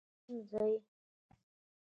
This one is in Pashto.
هغه کوم ځای؟